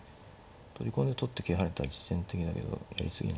取り込んで取って桂跳ねたら実戦的だけどやり過ぎなんですか。